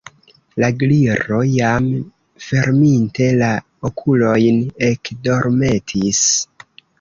La Gliro, jam ferminte la okulojn, ekdormetis.